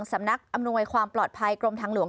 สำนักอำนวยความปลอดภัยกรมทางหลวง